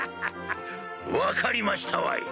分かりましたわい！